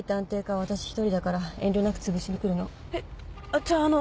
じゃああのう。